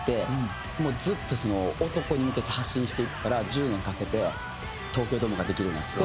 ずっとその男に向けて発信していったら１０年かけて東京ドームができるようになって。